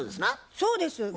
そうです。